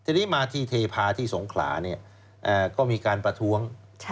ทีนี้มาที่เทพาที่สงขลาเนี่ยก็มีการประท้วง